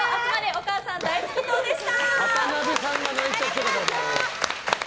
お母さん大好き党でした。